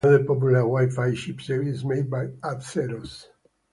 Another popular Wi-Fi chipset is made by Atheros.